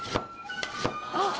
あっ！